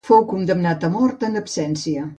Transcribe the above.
Fou condemnat a mort en absència.